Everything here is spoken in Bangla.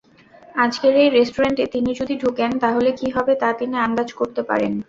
আজকের এই রেস্টুরেন্টে তিনি যদি ঢুকেন তাহলে কি হবে তা তিনি আন্দাজ করতে পারেন।